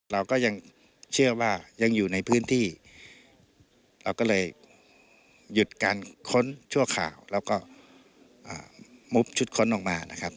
เราก็ยังเชื่อว่ายังอยู่ในพื้นที่เราก็เลยหยุดการค้นชั่วคราวแล้วก็มุบชุดค้นออกมานะครับ